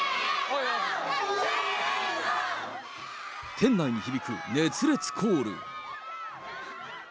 店内に響く熱烈コール。